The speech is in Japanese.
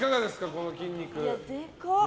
この筋肉。